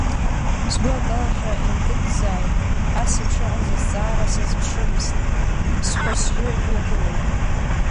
Сгәы акалашәа инкыдӡӡаит, ас еиԥш иҟаз азҵаара сазԥшымзт, схәы сжьы ҩагылеит.